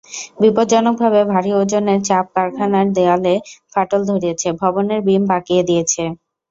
বিপজ্জনকভাবে ভারী ওজনের চাপ কারখানার দেয়ালে ফাটল ধরিয়েছে, ভবনের বিম বাঁকিয়ে দিয়েছে।